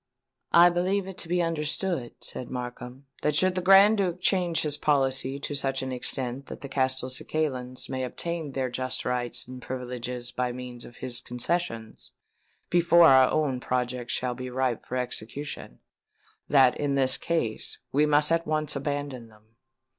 "I believe it to be understood," said Markham, "that should the Grand Duke change his policy to such an extent that the Castelcicalans may obtain their just rights and privileges by means of his concessions, before our own projects shall be ripe for execution,—that, in this case, we at once abandon them."